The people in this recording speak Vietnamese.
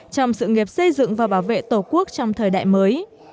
trong sự nghiệp xây dựng và bảo vệ tổ quốc trong thời đại mới